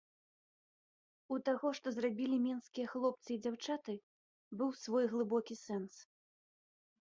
У таго, што зрабілі менскія хлопцы і дзяўчаты, быў свой глыбокі сэнс.